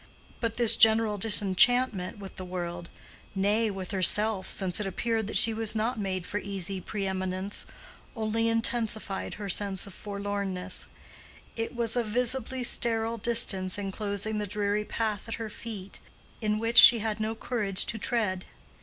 But this general disenchantment with the world—nay, with herself, since it appeared that she was not made for easy pre eminence—only intensified her sense of forlornness; it was a visibly sterile distance enclosing the dreary path at her feet, in which she had no courage to tread.